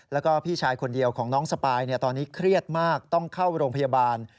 แล้วก็พี่ชายคนเดียวของน้องสปายตอนนี้เครียดมากต้องเข้าโรงพยาบาล